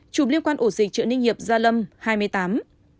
một chủng liên quan ổ dịch trợ ninh hiệp gia lâm hai mươi tám